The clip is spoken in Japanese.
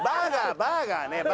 バーガー？